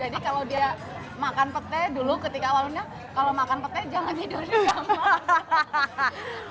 jadi kalau dia makan petai dulu ketika awalnya kalau makan petai jangan tidur di kamar